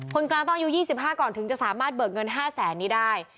คนกลางต้องอยู่ยี่สิบห้าก่อนถึงจะสามารถเบิกเงินห้าแสนนี้ได้